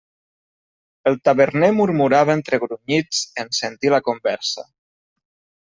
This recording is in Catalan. El taverner murmurava entre grunyits en sentir la conversa.